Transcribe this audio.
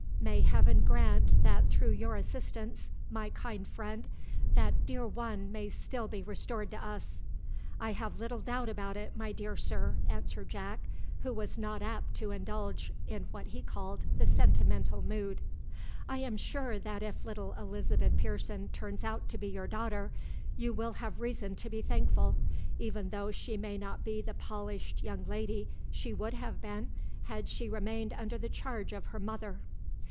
May Heaven grant that through your assistance, my kind friend, that dear one may still be restored to us!" "I have little doubt about it, my dear sir," answered Jack, who was not apt to indulge in what he called the "sentimental mood." "I am sure that if little Elizabeth Pearson turns out to be your daughter, you will have reason to be thankful, even though she may not be the polished young lady she would have been had she remained under the charge of her mother."